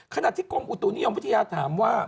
ขณะที่กรมอุติวนิยมพิทยาศาสตร์ถามว่า